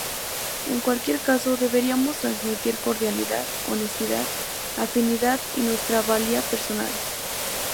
En cualquier caso, deberíamos transmitir cordialidad, honestidad, afinidad y nuestra valía personal.